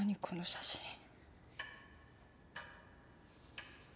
この写真。